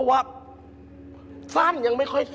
เกิดอะไรขึ้น